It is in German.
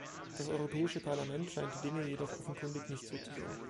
Das Europäische Parlament scheint die Dinge jedoch offenkundig nicht so zu sehen.